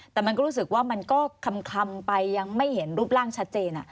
แต่มันก็รู้สึกว่ามันก็คำไปยังไม่เห็นรูปร่างชัดเจน